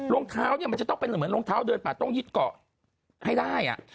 รองเท้าเนี่ยมันจะต้องเป็นเหมือนรองเท้าเดินป่าต้องยึดเกาะให้ได้